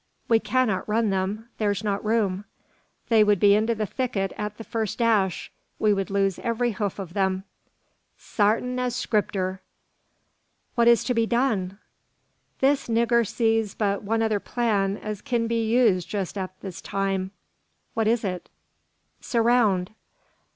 We cannot run them; there's not room. They would be into the thicket at the first dash. We would lose every hoof of them." "Sartin as Scripter." "What is to be done?" "This niggur sees but one other plan as kin be used jest at this time." "What is it?" "Surround."